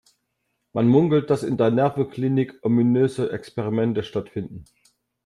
Man munkelt, dass in der Nervenklinik ominöse Experimente stattfinden.